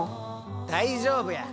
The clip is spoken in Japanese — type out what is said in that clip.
大丈夫や！